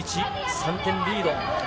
３点リード。